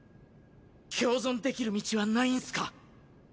共存できる道はないんすか？